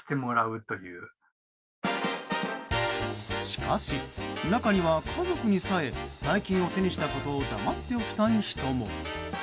しかし、中には家族にさえ大金を手にしたことを黙っておきたい人も。